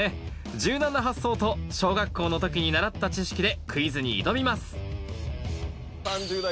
柔軟な発想と小学校の時に習った知識でクイズに挑みます